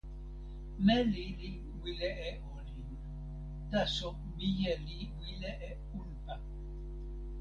meli li wile e olin. taso mije li wile e unpa.